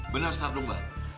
bener sardung bah